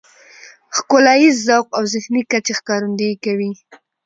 ښکلاييز ذوق او ذهني کچې ښکارندويي کوي .